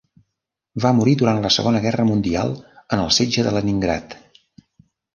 Va morir durant la Segona Guerra Mundial en el setge de Leningrad.